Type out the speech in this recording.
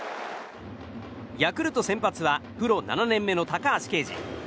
ヤクルト連発はプロ７年目の高橋奎二。